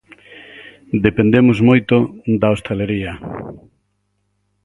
Dependemos moito da hostalaría.